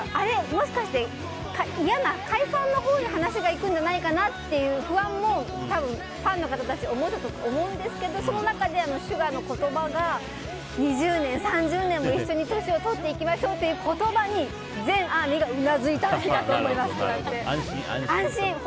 もしかして嫌な解散のほうに話がいくんじゃないかなっていう不安も多分、ファンの方たち思ってたと思うんですけどそのなかでＳＵＧＡの言葉が２０年、３０年も一緒に年を取っていきましょうっていう言葉に全ＡＲＭＹがうなずいたんだと思います。